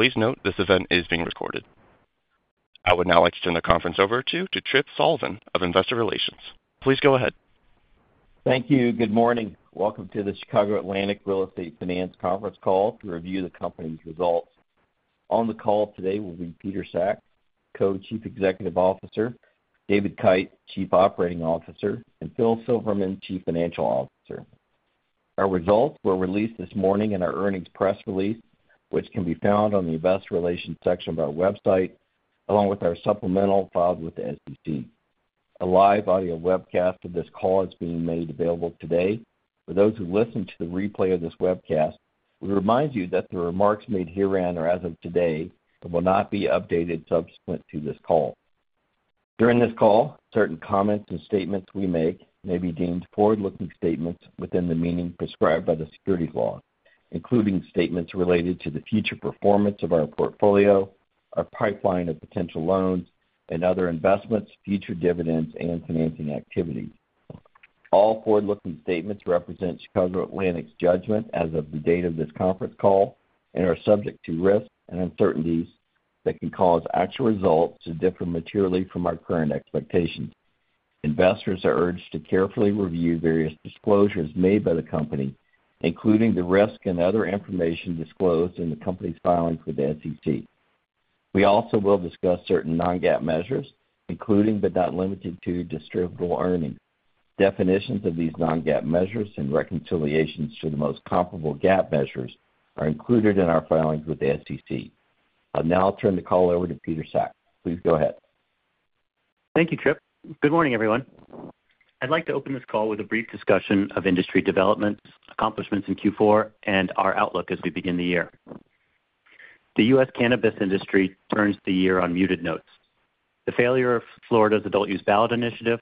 Please note this event is being recorded. I would now like to turn the conference over to Tripp Sullivan of Investor Relations. Please go ahead. Thank you. Good morning. Welcome to the Chicago Atlantic Real Estate Finance conference call to review the company's results. On the call today will be Peter Sack, Co-Chief Executive Officer; David Kite, Chief Operating Officer; and Phil Silverman, Chief Financial Officer. Our results were released this morning in our earnings press release, which can be found on the Investor Relations section of our website, along with our supplemental filed with the SEC. A live audio webcast of this call is being made available today. For those who listen to the replay of this webcast, we remind you that the remarks made herein are as of today and will not be updated subsequent to this call. During this call, certain comments and statements we make may be deemed forward-looking statements within the meaning prescribed by the Securities Law, including statements related to the future performance of our portfolio, our pipeline of potential loans, and other investments, future dividends, and financing activities. All forward-looking statements represent Chicago Atlantic's judgment as of the date of this conference call and are subject to risks and uncertainties that can cause actual results to differ materially from our current expectations. Investors are urged to carefully review various disclosures made by the company, including the risk and other information disclosed in the company's filings with the SEC. We also will discuss certain non-GAAP measures, including but not limited to distributable earnings. Definitions of these non-GAAP measures and reconciliations to the most comparable GAAP measures are included in our filings with the SEC. I'll now turn the call over to Peter Sack. Please go ahead. Thank you, Tripp. Good morning, everyone. I'd like to open this call with a brief discussion of industry developments, accomplishments in Q4, and our outlook as we begin the year. The U.S. cannabis industry turns the year on muted notes. The failure of Florida's Adult Use Ballot Initiative,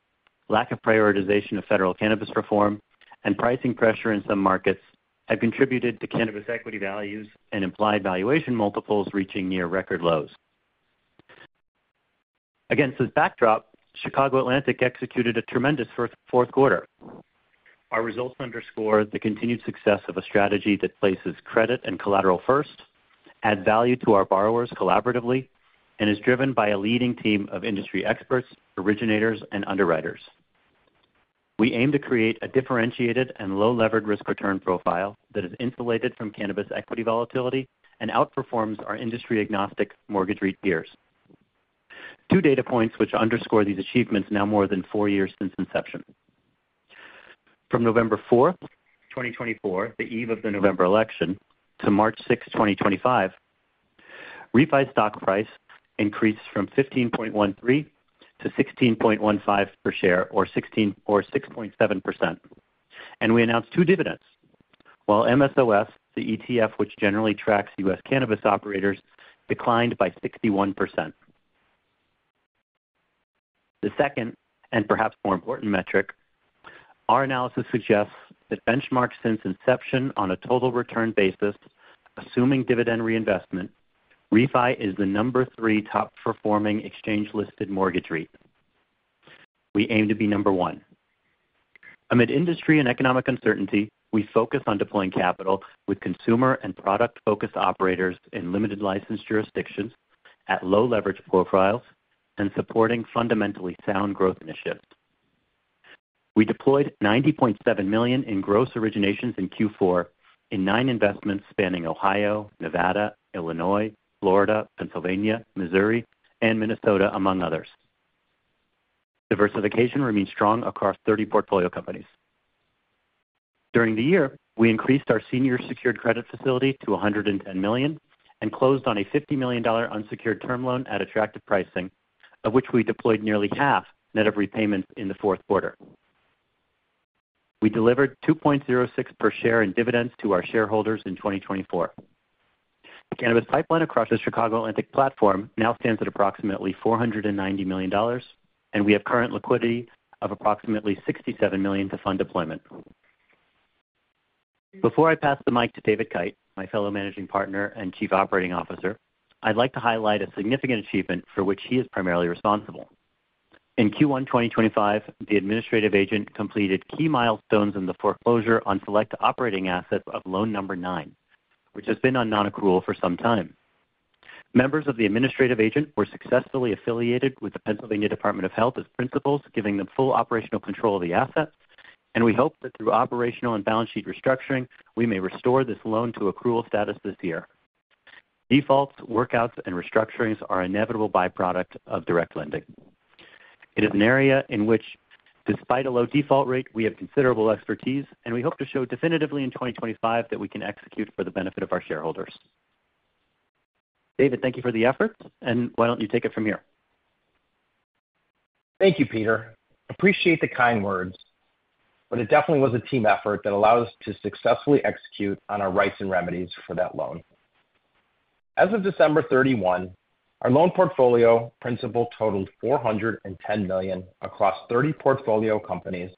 lack of prioritization of federal cannabis reform, and pricing pressure in some markets have contributed to cannabis equity values and implied valuation multiples reaching near record lows. Against this backdrop, Chicago Atlantic executed a tremendous fourth quarter. Our results underscore the continued success of a strategy that places credit and collateral first, adds value to our borrowers collaboratively, and is driven by a leading team of industry experts, originators, and underwriters. We aim to create a differentiated and low-leverage risk-return profile that is insulated from cannabis equity volatility and outperforms our industry-agnostic mortgage REIT peers. Two data points which underscore these achievements now more than four years since inception. From November 4th, 2024, the eve of the November election, to March 6, 2025, REFI stock price increased from $15.13 to $16.15 per share, or 6.7%. We announced two dividends, while MSOS, the ETF which generally tracks U.S. cannabis operators, declined by 61%. The second, and perhaps more important metric, our analysis suggests that benchmarked since inception on a total return basis, assuming dividend reinvestment, REFI is the number three top-performing exchange-listed mortgage REIT. We aim to be number one. Amid industry and economic uncertainty, we focus on deploying capital with consumer and product-focused operators in limited-license jurisdictions at low-leverage profiles and supporting fundamentally sound growth initiatives. We deployed $90.7 million in gross originations in Q4 in nine investments spanning Ohio, Nevada, Illinois, Florida, Pennsylvania, Missouri, and Minnesota, among others. Diversification remains strong across 30 portfolio companies. During the year, we increased our senior secured credit facility to $110 million and closed on a $50 million unsecured term loan at attractive pricing, of which we deployed nearly half net of repayments in the fourth quarter. We delivered $2.06 per share in dividends to our shareholders in 2024. The cannabis pipeline across the Chicago Atlantic platform now stands at approximately $490 million, and we have current liquidity of approximately $67 million to fund deployment. Before I pass the mic to David Kite, my fellow Managing Partner and Chief Operating Officer, I'd like to highlight a significant achievement for which he is primarily responsible. In Q1 2025, the administrative agent completed key milestones in the foreclosure on select operating assets of loan number nine, which has been on non-accrual for some time. Members of the administrative agent were successfully affiliated with the Pennsylvania Department of Health as principals, giving them full operational control of the assets, and we hope that through operational and balance sheet restructuring, we may restore this loan to accrual status this year. Defaults, workouts, and restructurings are inevitable byproducts of direct lending. It is an area in which, despite a low default rate, we have considerable expertise, and we hope to show definitively in 2025 that we can execute for the benefit of our shareholders. David, thank you for the effort, and why don't you take it from here? Thank you, Peter. Appreciate the kind words, but it definitely was a team effort that allowed us to successfully execute on our rights and remedies for that loan. As of December 31, our loan portfolio principal totaled $410 million across 30 portfolio companies,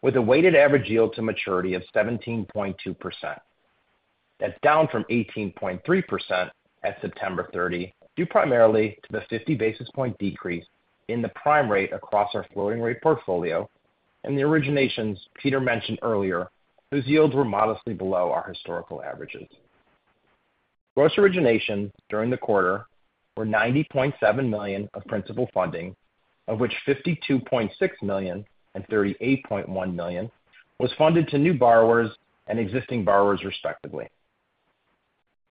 with a weighted average yield to maturity of 17.2%. That's down from 18.3% at September 30 due primarily to the 50 basis point decrease in the prime rate across our floating rate portfolio and the originations Peter mentioned earlier, whose yields were modestly below our historical averages. Gross originations during the quarter were $90.7 million of principal funding, of which $52.6 million and $38.1 million was funded to new borrowers and existing borrowers, respectively.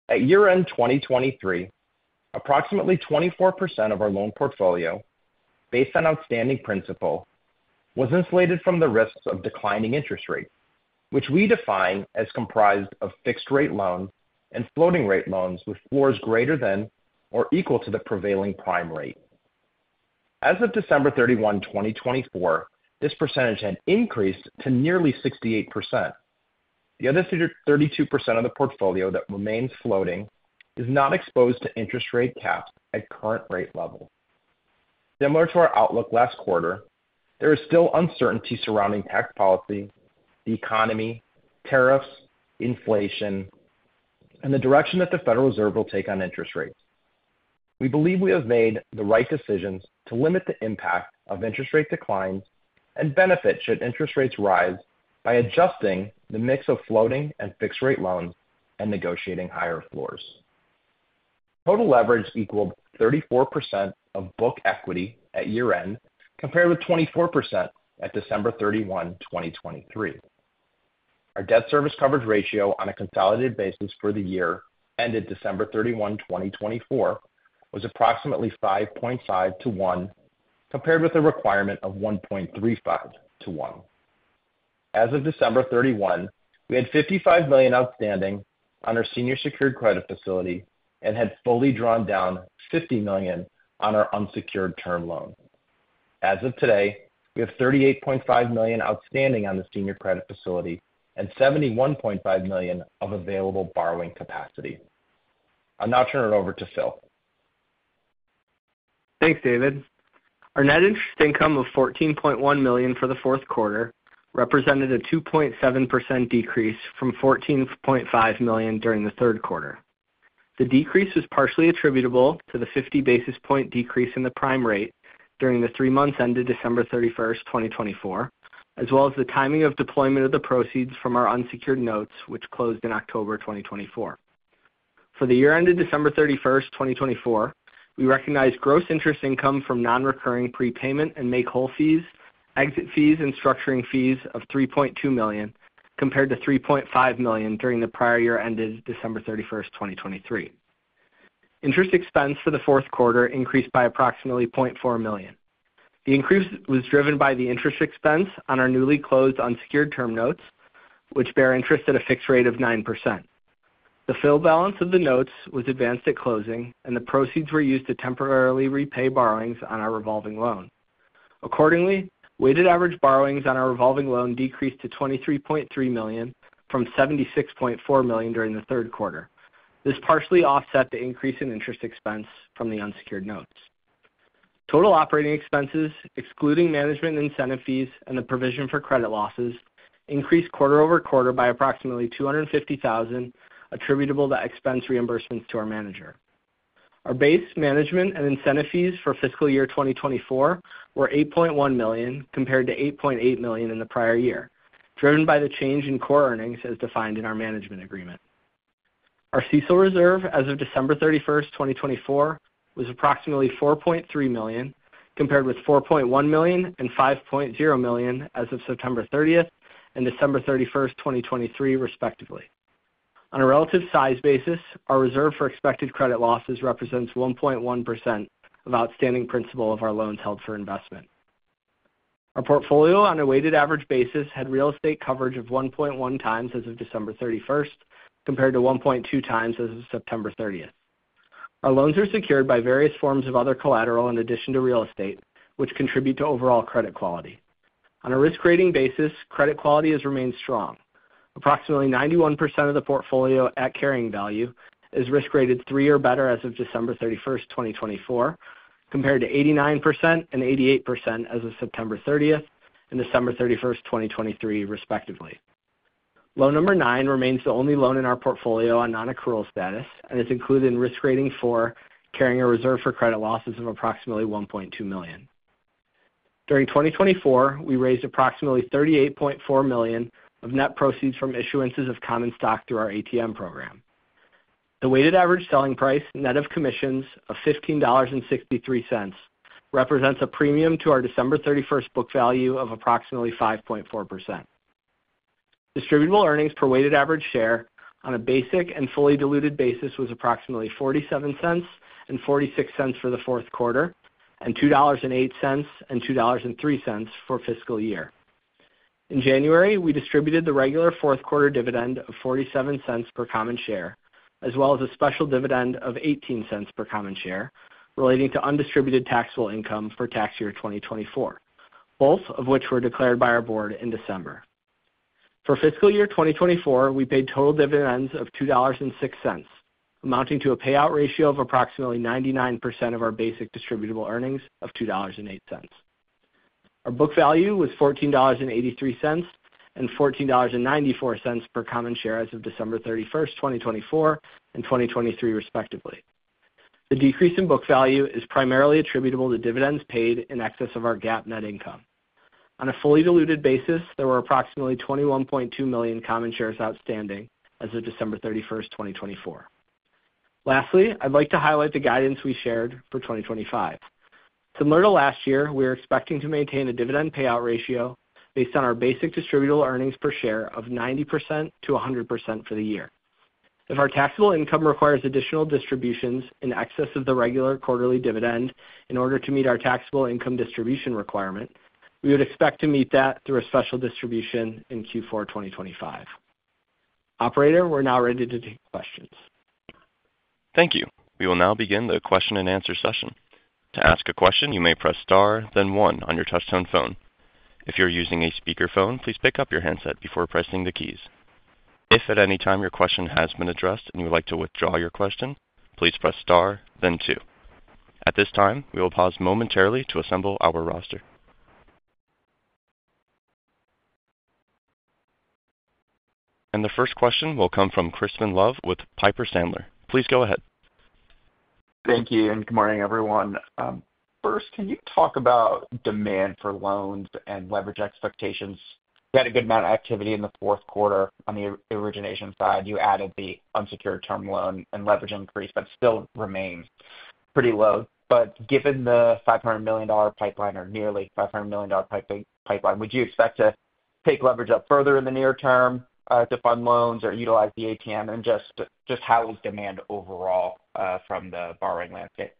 At year-end 2023, approximately 24% of our loan portfolio, based on outstanding principal, was insulated from the risks of declining interest rate, which we define as comprised of fixed-rate loans and floating-rate loans with floors greater than or equal to the prevailing prime rate. As of December 31, 2024, this percentage had increased to nearly 68%. The other 32% of the portfolio that remains floating is not exposed to interest rate caps at current rate levels. Similar to our outlook last quarter, there is still uncertainty surrounding tax policy, the economy, tariffs, inflation, and the direction that the Federal Reserve will take on interest rates. We believe we have made the right decisions to limit the impact of interest rate declines and benefit should interest rates rise by adjusting the mix of floating and fixed-rate loans and negotiating higher floors. Total leverage equaled 34% of book equity at year-end, compared with 24% at December 31, 2023. Our debt service coverage ratio on a consolidated basis for the year ended December 31, 2024, was approximately 5.5 to 1, compared with a requirement of 1.35 to 1. As of December 31, we had $55 million outstanding on our senior secured credit facility and had fully drawn down $50 million on our unsecured term loan. As of today, we have $38.5 million outstanding on the senior credit facility and $71.5 million of available borrowing capacity. I'll now turn it over to Phil. Thanks, David. Our net interest income of $14.1 million for the fourth quarter represented a 2.7% decrease from $14.5 million during the third quarter. The decrease was partially attributable to the 50 basis point decrease in the prime rate during the three months ended December 31st, 2024, as well as the timing of deployment of the proceeds from our unsecured notes, which closed in October 2024. For the year-end of December 31st, 2024, we recognize gross interest income from non-recurring prepayment and make-whole fees, exit fees, and structuring fees of $3.2 million, compared to $3.5 million during the prior year ended December 31st, 2023. Interest expense for the fourth quarter increased by approximately $0.4 million. The increase was driven by the interest expense on our newly closed unsecured term notes, which bear interest at a fixed rate of 9%. The full balance of the notes was advanced at closing, and the proceeds were used to temporarily repay borrowings on our revolving loan. Accordingly, weighted average borrowings on our revolving loan decreased to $23.3 million from $76.4 million during the third quarter. This partially offset the increase in interest expense from the unsecured notes. Total operating expenses, excluding management and incentive fees and the provision for credit losses, increased quarter over quarter by approximately $250,000, attributable to expense reimbursements to our manager. Our base management and incentive fees for fiscal year 2024 were $8.1 million, compared to $8.8 million in the prior year, driven by the change in core earnings as defined in our management agreement. Our CECL reserve as of December 31st, 2024, was approximately $4.3 million, compared with $4.1 million and $5.0 million as of September 30 and December 31st, 2023, respectively. On a relative size basis, our reserve for expected credit losses represents 1.1% of outstanding principal of our loans held for investment. Our portfolio, on a weighted average basis, had real estate coverage of 1.1x as of December 31st, compared to 1.2x as of September 30. Our loans are secured by various forms of other collateral in addition to real estate, which contribute to overall credit quality. On a risk-rating basis, credit quality has remained strong. Approximately 91% of the portfolio at carrying value is risk-rated three or better as of December 31st, 2024, compared to 89% and 88% as of September 30 and December 31st, 2023, respectively. Loan number nine remains the only loan in our portfolio on non-accrual status and is included in risk rating four, carrying a reserve for credit losses of approximately $1.2 million. During 2024, we raised approximately $38.4 million of net proceeds from issuances of common stock through our ATM program. The weighted average selling price, net of commissions, of $15.63, represents a premium to our December 31st book value of approximately 5.4%. Distributable earnings per weighted average share on a basic and fully diluted basis was approximately $0.47 and $0.46 for the fourth quarter, and $2.08 and $2.03 for fiscal year. In January, we distributed the regular fourth quarter dividend of $0.47 per common share, as well as a special dividend of $0.18 per common share relating to undistributed taxable income for tax year 2024, both of which were declared by our board in December. For fiscal year 2024, we paid total dividends of $2.06, amounting to a payout ratio of approximately 99% of our basic distributable earnings of $2.08. Our book value was $14.83 and $14.94 per common share as of December 31st, 2024, and 2023, respectively. The decrease in book value is primarily attributable to dividends paid in excess of our GAAP net income. On a fully diluted basis, there were approximately 21.2 million common shares outstanding as of December 31st, 2024. Lastly, I'd like to highlight the guidance we shared for 2025. Similar to last year, we are expecting to maintain a dividend payout ratio based on our basic distributable earnings per share of 90%-100% for the year. If our taxable income requires additional distributions in excess of the regular quarterly dividend in order to meet our taxable income distribution requirement, we would expect to meet that through a special distribution in Q4 2025. Operator, we're now ready to take questions. Thank you. We will now begin the question and answer session. To ask a question, you may press star, then one on your touch-tone phone. If you're using a speakerphone, please pick up your handset before pressing the keys. If at any time your question has been addressed and you would like to withdraw your question, please press star, then two. At this time, we will pause momentarily to assemble our roster. The first question will come from Crispin Love with Piper Sandler. Please go ahead. Thank you, and good morning, everyone. First, can you talk about demand for loans and leverage expectations? You had a good amount of activity in the fourth quarter. On the origination side, you added the unsecured term loan and leverage increase, but still remains pretty low. Given the $500 million pipeline, or nearly $500 million pipeline, would you expect to take leverage up further in the near term to fund loans or utilize the ATM, and just how is demand overall from the borrowing landscape?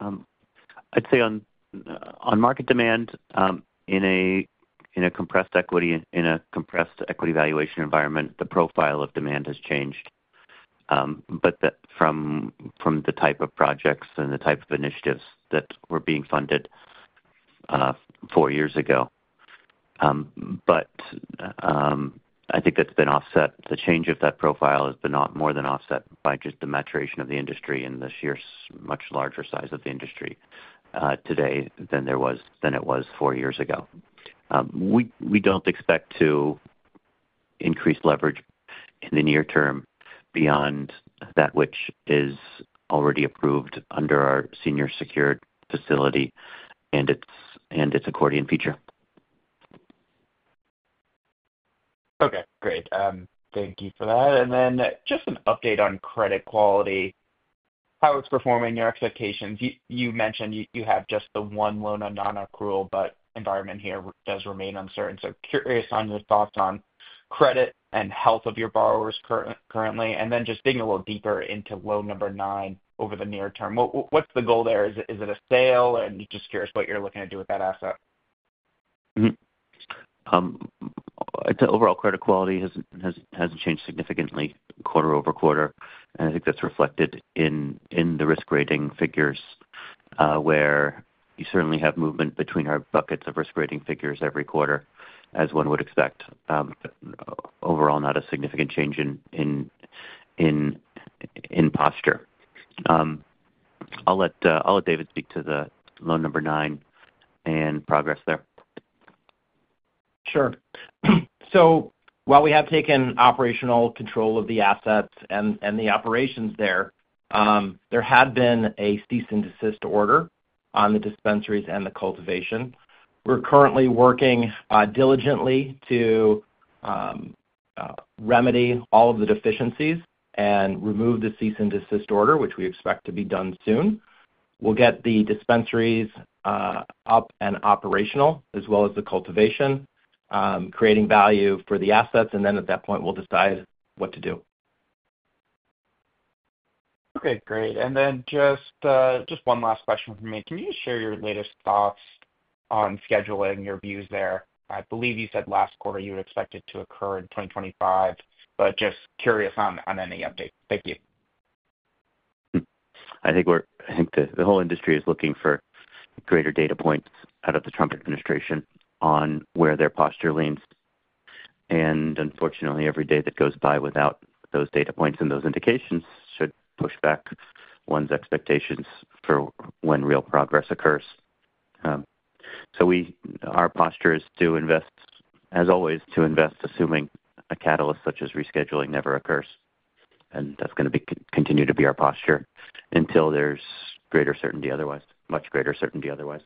I'd say on market demand, in a compressed equity valuation environment, the profile of demand has changed, but from the type of projects and the type of initiatives that were being funded four years ago. I think that's been offset. The change of that profile has been more than offset by just the maturation of the industry and the much larger size of the industry today than it was four years ago. We don't expect to increase leverage in the near term beyond that which is already approved under our senior secured facility and its accordion feature. Okay, great. Thank you for that. Then just an update on credit quality, how it's performing, your expectations. You mentioned you have just the one loan on non-accrual, but the environment here does remain uncertain. Curious on your thoughts on credit and health of your borrowers currently. Then just digging a little deeper into loan number nine over the near term, what's the goal there? Is it a sale? Curious what you're looking to do with that asset. I'd say overall credit quality hasn't changed significantly quarter over quarter. I think that's reflected in the risk rating figures, where you certainly have movement between our buckets of risk rating figures every quarter, as one would expect. Overall, not a significant change in posture. I'll let David speak to the loan number nine and progress there. Sure. While we have taken operational control of the assets and the operations there, there had been a cease and desist order on the dispensaries and the cultivation. We are currently working diligently to remedy all of the deficiencies and remove the cease and desist order, which we expect to be done soon. We will get the dispensaries up and operational, as well as the cultivation, creating value for the assets. At that point, we will decide what to do. Okay, great. Just one last question from me. Can you share your latest thoughts on scheduling your views there? I believe you said last quarter you would expect it to occur in 2025, but just curious on any updates. Thank you. I think the whole industry is looking for greater data points out of the Trump administration on where their posture leans. Unfortunately, every day that goes by without those data points and those indications should push back one's expectations for when real progress occurs. Our posture is to invest, as always, to invest, assuming a catalyst such as rescheduling never occurs. That is going to continue to be our posture until there is greater certainty otherwise, much greater certainty otherwise.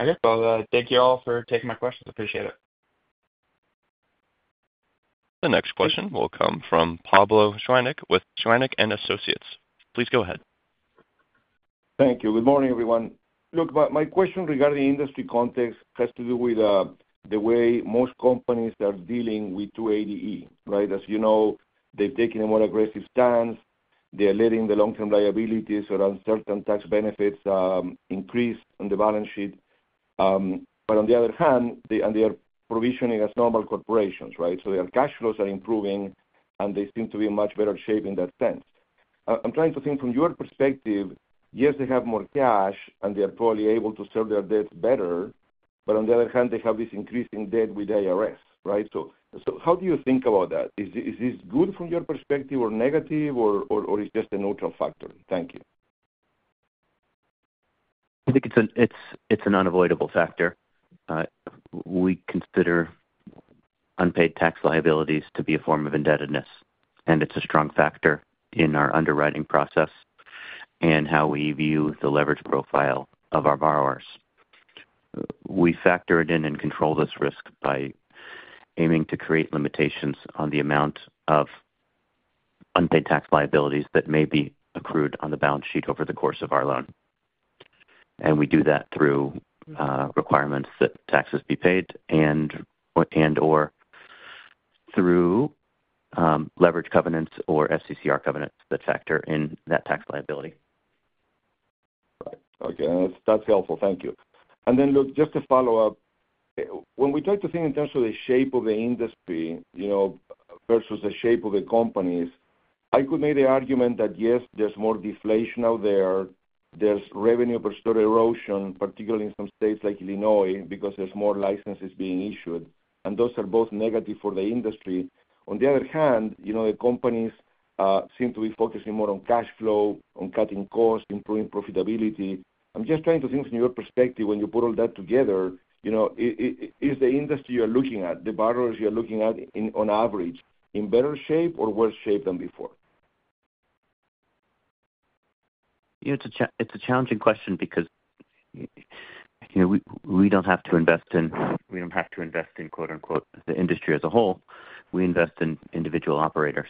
I guess I'll thank you all for taking my questions. Appreciate it. The next question will come from Pablo Zuanic with Zuanic & Associates. Please go ahead. Thank you. Good morning, everyone. Look, my question regarding industry context has to do with the way most companies are dealing with 280E. As you know, they've taken a more aggressive stance. They're letting the long-term liabilities or uncertain tax benefits increase on the balance sheet. On the other hand, they are provisioning as normal corporations, right? Their cash flows are improving, and they seem to be in much better shape in that sense. I'm trying to think from your perspective, yes, they have more cash, and they are probably able to serve their debts better. On the other hand, they have this increasing debt with IRS, right? How do you think about that? Is this good from your perspective or negative, or is it just a neutral factor? Thank you. I think it's an unavoidable factor. We consider unpaid tax liabilities to be a form of indebtedness, and it's a strong factor in our underwriting process and how we view the leverage profile of our borrowers. We factor it in and control this risk by aiming to create limitations on the amount of unpaid tax liabilities that may be accrued on the balance sheet over the course of our loan. We do that through requirements that taxes be paid and/or through leverage covenants or DSCR covenants that factor in that tax liability. Right. Okay. That's helpful. Thank you. Just to follow up, when we try to think in terms of the shape of the industry versus the shape of the companies, I could make the argument that, yes, there's more deflation out there. There's revenue per store erosion, particularly in some states like Illinois, because there's more licenses being issued. Those are both negative for the industry. On the other hand, the companies seem to be focusing more on cash flow, on cutting costs, improving profitability. I'm just trying to think from your perspective, when you put all that together, is the industry you're looking at, the borrowers you're looking at, on average, in better shape or worse shape than before? It's a challenging question because we don't have to invest in, we don't have to invest in, quote-unquote, "the industry as a whole." We invest in individual operators.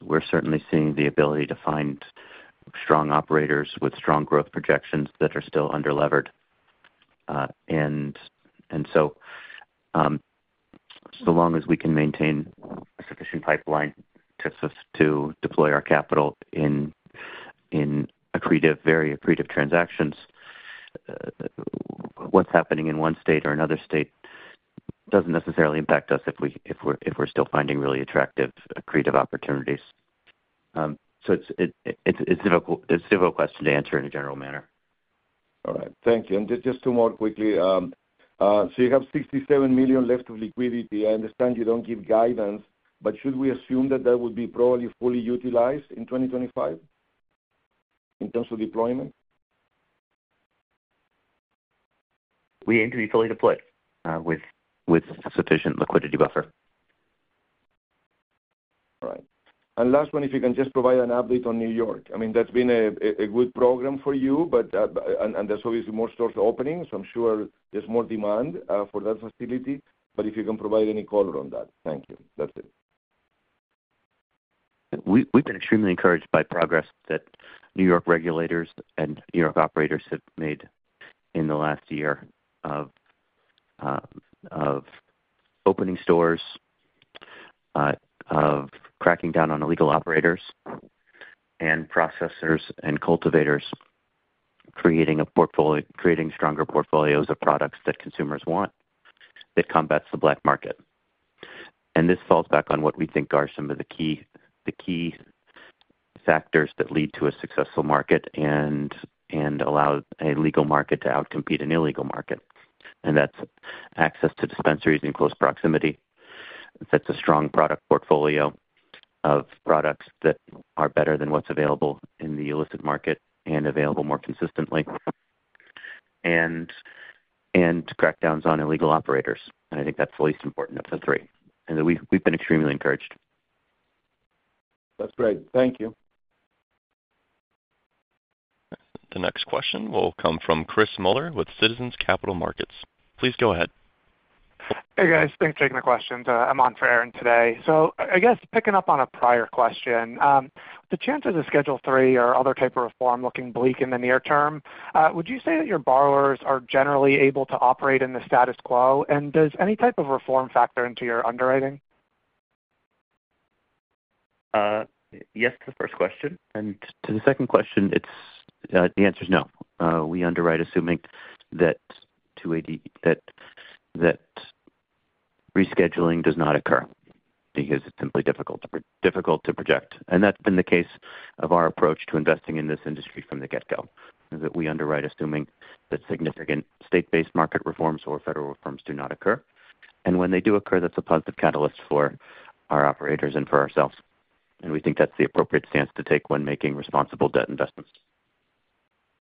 We're certainly seeing the ability to find strong operators with strong growth projections that are still underlevered. As long as we can maintain a sufficient pipeline to deploy our capital in very accretive transactions, what's happening in one state or another state doesn't necessarily impact us if we're still finding really attractive accretive opportunities. It's a difficult question to answer in a general manner. All right. Thank you. Just two more quickly. You have $67 million left of liquidity. I understand you do not give guidance, but should we assume that that would be probably fully utilized in 2025 in terms of deployment? We aim to be fully deployed with sufficient liquidity buffer. All right. Last one, if you can just provide an update on New York. I mean, that's been a good program for you, and there's obviously more stores opening, so I'm sure there's more demand for that facility. If you can provide any color on that. Thank you. That's it. We've been extremely encouraged by progress that New York regulators and New York operators have made in the last year of opening stores, of cracking down on illegal operators, and processors and cultivators, creating stronger portfolios of products that consumers want that combats the black market. This falls back on what we think are some of the key factors that lead to a successful market and allow a legal market to outcompete an illegal market. That is access to dispensaries in close proximity. That is a strong product portfolio of products that are better than what's available in the illicit market and available more consistently. Crackdowns on illegal operators are also important. I think that's the least important of the three. We've been extremely encouraged. That's great. Thank you. The next question will come from Chris Muller with Citizens Capital Markets. Please go ahead. Hey, guys. Thanks for taking the questions. I'm on for Aaron today. I guess picking up on a prior question, the chances of Schedule III or other type of reform looking bleak in the near term, would you say that your borrowers are generally able to operate in the status quo? Does any type of reform factor into your underwriting? Yes to the first question. To the second question, the answer is no. We underwrite assuming that rescheduling does not occur because it's simply difficult to project. That has been the case of our approach to investing in this industry from the get-go, that we underwrite assuming that significant state-based market reforms or federal reforms do not occur. When they do occur, that's a positive catalyst for our operators and for ourselves. We think that's the appropriate stance to take when making responsible debt investments.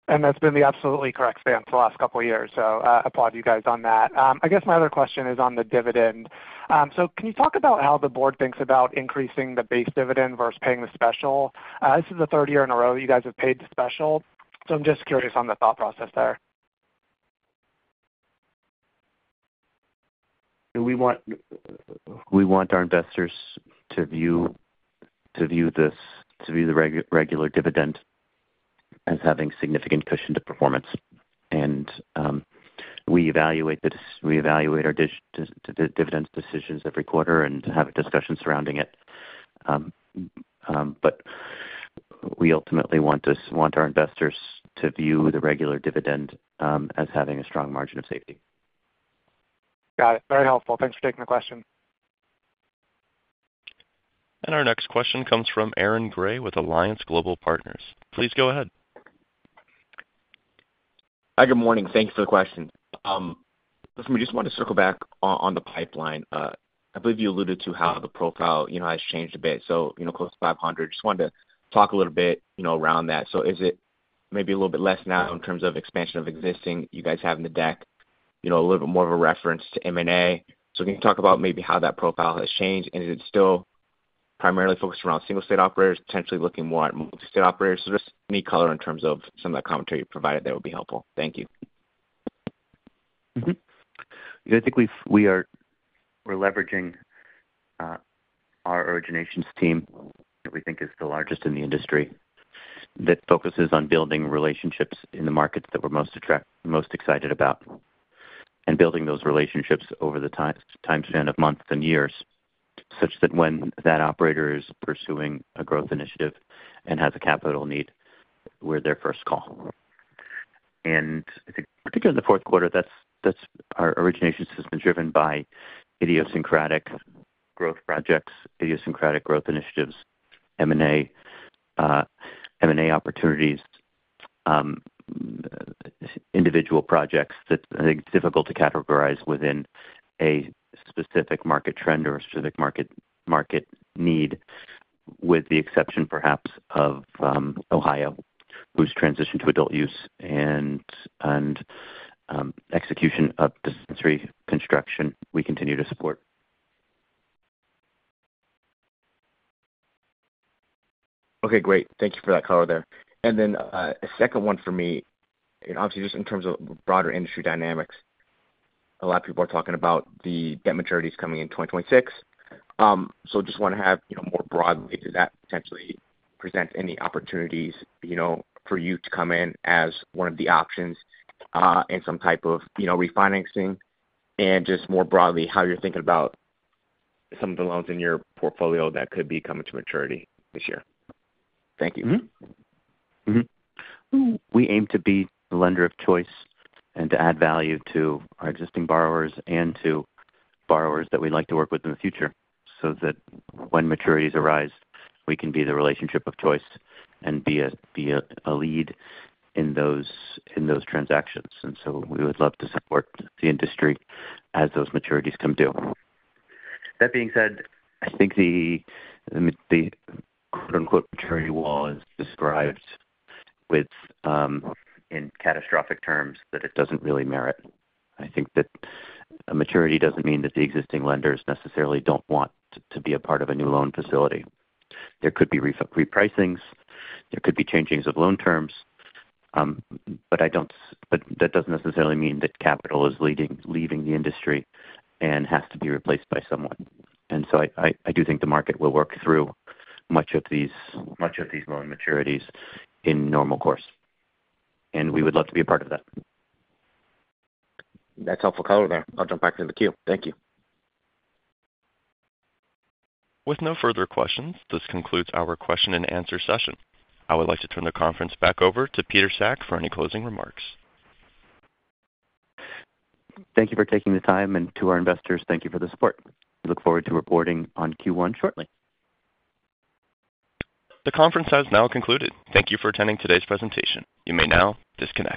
That's been the absolutely correct stance the last couple of years. I applaud you guys on that. I guess my other question is on the dividend. Can you talk about how the board thinks about increasing the base dividend versus paying the special? This is the third year in a row that you guys have paid the special. I'm just curious on the thought process there. We want our investors to view the regular dividend as having significant cushion to performance. We evaluate our dividend decisions every quarter and have discussions surrounding it. We ultimately want our investors to view the regular dividend as having a strong margin of safety. Got it. Very helpful. Thanks for taking the question. Our next question comes from Aaron Gray with Alliance Global Partners. Please go ahead. Hi, good morning. Thank you for the question. Listen, we just want to circle back on the pipeline. I believe you alluded to how the profile has changed a bit. So close to 500. Just wanted to talk a little bit around that. Is it maybe a little bit less now in terms of expansion of existing you guys have in the deck, a little bit more of a reference to M&A? Can you talk about maybe how that profile has changed? Is it still primarily focused around single-state operators, potentially looking more at multi-state operators? Just any color in terms of some of that commentary you provided that would be helpful. Thank you. I think we are leveraging our originations team, which we think is the largest in the industry, that focuses on building relationships in the markets that we're most excited about. Building those relationships over the time span of months and years, such that when that operator is pursuing a growth initiative and has a capital need, we're their first call. I think particularly in the fourth quarter, our originations has been driven by idiosyncratic growth projects, idiosyncratic growth initiatives, M&A opportunities, individual projects that are difficult to categorize within a specific market trend or a specific market need, with the exception perhaps of Ohio, whose transition to adult use and execution of dispensary construction we continue to support. Okay, great. Thank you for that color there. A second one for me, obviously, just in terms of broader industry dynamics, a lot of people are talking about the debt maturities coming in 2026. I just want to have more broadly, does that potentially present any opportunities for you to come in as one of the options in some type of refinancing? Just more broadly, how you're thinking about some of the loans in your portfolio that could be coming to maturity this year? Thank you. We aim to be the lender of choice and to add value to our existing borrowers and to borrowers that we'd like to work with in the future so that when maturities arise, we can be the relationship of choice and be a lead in those transactions. We would love to support the industry as those maturities come due. That being said, I think the "maturity wall" is described in catastrophic terms that it does not really merit. I think that a maturity does not mean that the existing lenders necessarily do not want to be a part of a new loan facility. There could be repricings. There could be changings of loan terms. That does not necessarily mean that capital is leaving the industry and has to be replaced by someone. I do think the market will work through much of these loan maturities in normal course. We would love to be a part of that. That is helpful color there. I will jump back into the queue. Thank you. With no further questions, this concludes our question-and-answer session. I would like to turn the conference back over to Peter Sack for any closing remarks. Thank you for taking the time. To our investors, thank you for the support. We look forward to reporting on Q1 shortly. The conference has now concluded. Thank you for attending today's presentation. You may now disconnect.